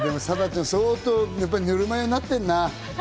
貞ちゃん、相当ぬるま湯になってるな。